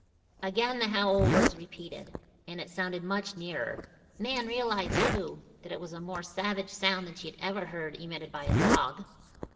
Again the howl was repeated, and it sounded much nearer. Nan realized, too, that it was a more savage sound than she had ever heard emitted by a dog.